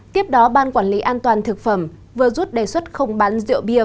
tiếp đó ban quản lý an toàn thực phẩm vừa rút đề xuất không bán rượu bia